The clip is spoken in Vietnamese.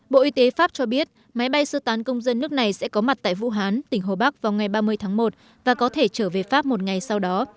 bộ y tế pháp cho biết máy bay sơ tán công dân nước này sẽ có mặt tại vũ hán tỉnh hồ bắc vào ngày ba mươi tháng một và có thể trở về pháp một ngày sau đó